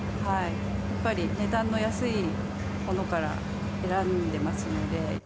やっぱり、値段の安いものから選んでますので。